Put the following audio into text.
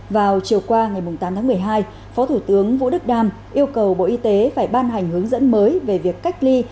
vào chiều qua ngày tám tháng một mươi hai phó thủ tướng vũ đức đam yêu cầu bộ y tế phải ban hành hướng dẫn mới về việc cách ly